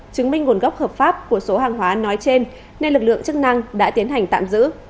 chứng minh nguồn gốc hợp pháp của số hàng hóa nói trên nên lực lượng chức năng đã tiến hành tạm giữ